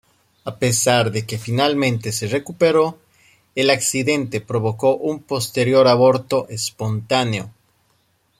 A pesar de que finalmente se recuperó, el accidente provocó un posterior aborto espontáneo.